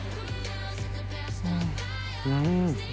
うん！